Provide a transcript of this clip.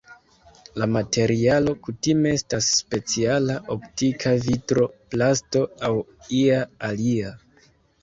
La materialo kutime estas speciala optika vitro, plasto aŭ ia alia.